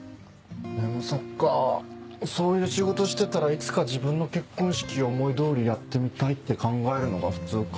でもそっかぁそういう仕事してたらいつか自分の結婚式を思い通りやってみたいって考えるのが普通か。